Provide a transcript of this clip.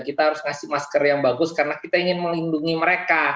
kita harus ngasih masker yang bagus karena kita ingin melindungi mereka